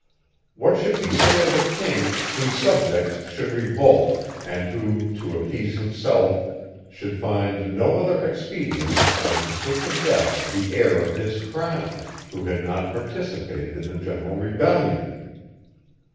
What should we say of a king, whose subjects should revolt, and who, to appease himself, should find no other expedient than to put to death the heir of his crown, who had not participated in the general rebellion?